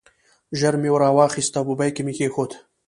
ژر مې راواخیست او په بیک کې مې کېښود.